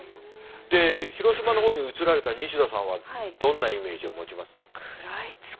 で広島の方に移られた西田さんはどんなイメージを持ちます？